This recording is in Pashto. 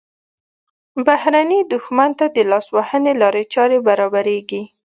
بهرني دښمن ته د لاسوهنې لارې چارې برابریږي.